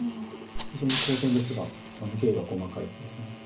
非常に当然ですが芸が細かいです。